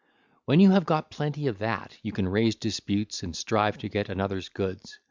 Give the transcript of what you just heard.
When you have got plenty of that, you can raise disputes and strive to get another's goods.